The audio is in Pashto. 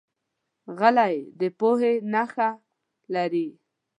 غلی، د پوهې نښه لري.